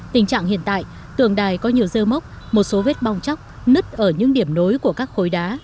tình trạng hiện tại tượng đài có nhiều dơ mốc một số vết bong chóc nứt ở những điểm nối của các khối đá